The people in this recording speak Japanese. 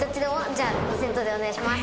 じゃあ先頭でお願いします。